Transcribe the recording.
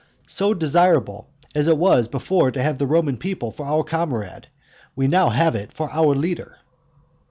So, desirable as it was before to have the Roman people for our comrade, we now have it for our leader.